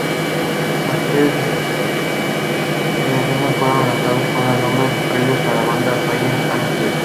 Los tres demos fueron lanzados con el nombre previo de la banda, "Fallen Angels.